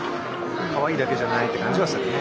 かわいいだけじゃないって感じはするよね。